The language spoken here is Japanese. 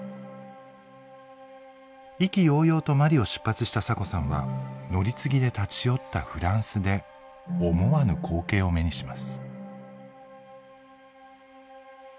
意気揚々とマリを出発したサコさんは乗り継ぎで立ち寄ったフランスで思わぬ光景を目にします。